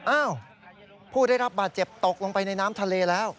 อ้าวผู้ได้รับบาดเจ็บตกลงไปในน้ำทะเลแล้ว